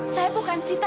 saya bukan sita